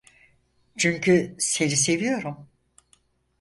Çünkü seni seviyorum.